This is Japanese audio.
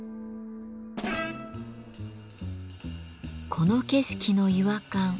この景色の違和感。